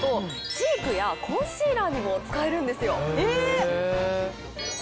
チークやコンシーラーにも使えるんですよ。